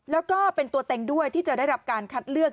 แล้วก็เป็นตัวเต็งด้วยที่จะได้รับการคัดเลือก